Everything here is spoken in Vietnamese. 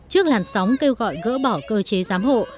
trước làn sóng kêu gọi gỡ bỏ cơ chế giám hộ